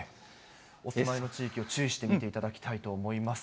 お住まいの地域を注意して見ていただきたいと思います。